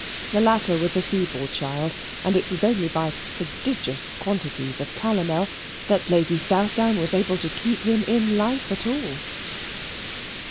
The latter was a feeble child, and it was only by prodigious quantities of calomel that Lady Southdown was able to keep him in life at all.